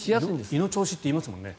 胃の調子って言いますもんね。